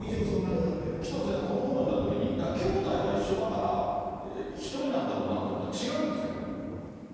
紀藤先生、この本読んだときに、きょうだいは一緒だから、１人なんだろうなと思ったら、違うんですね、これ。